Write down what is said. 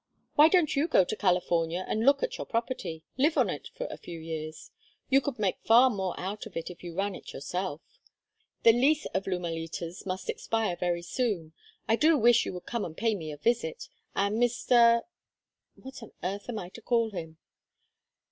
Why don't you go to California and look at your property? live on it for a few years? You could make far more out of it if you ran it yourself. The lease of Lumalitas must expire very soon. I do wish you would come and pay me a visit, and Mr. what on earth am I to call him?"